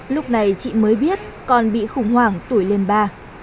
lúc này chị mới biết con bị khủng hoảng tuổi lên ba